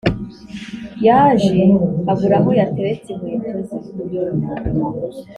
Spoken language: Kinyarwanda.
Yaje abura aho yateretse inkweto ze